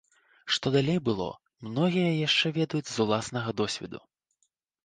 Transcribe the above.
Што далей было, многія яшчэ ведаюць з уласнага досведу.